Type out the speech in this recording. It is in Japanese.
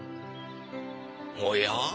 おや？